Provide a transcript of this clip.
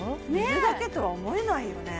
水だけとは思えないよね